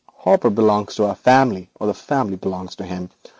Hopper belongs to our family, or the family belongs to him.